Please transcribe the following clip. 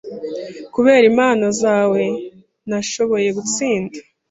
Kubera inama zawe, nashoboye gutsinda.